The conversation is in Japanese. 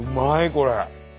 これ。